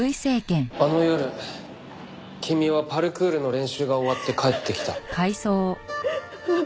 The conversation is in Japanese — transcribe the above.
あの夜君はパルクールの練習が終わって帰ってきた。